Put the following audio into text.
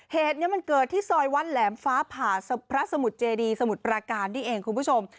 เหตุนี้มันเกิดที่ซอยวัดแหลมฟ้าผ่าพระสมุทรเจดีสมุทรปราการนี่เองคุณผู้ชม